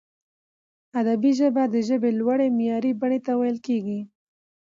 ادبي ژبه د ژبي لوړي معیاري بڼي ته ویل کیږي.